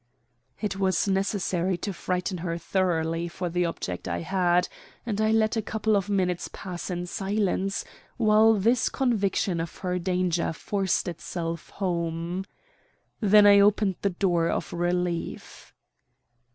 It was necessary to frighten her thoroughly for the object I had, and I let a couple of minutes pass in silence, while this conviction of her danger forced itself home. Then I opened the door of relief.